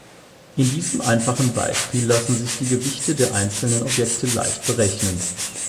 In diesem einfachen Beispiel lassen sich die Gewichte der einzelnen Objekte leicht berechnen.